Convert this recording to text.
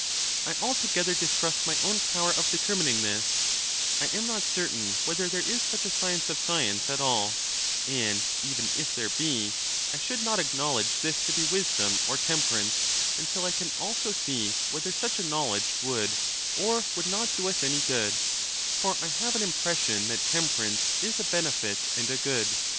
I altogether distrust my own power of determining this: I am not certain whether there is such a science of science at all; and even if there be, I should not acknowledge this to be wisdom or temperance, until I can also see whether such a knowledge would or would not do us any good; for I have an impression that temperance is a benefit and a good.